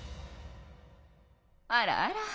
あらあら。